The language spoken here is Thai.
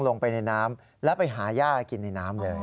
ลงไปในน้ำแล้วไปหาย่ากินในน้ำเลย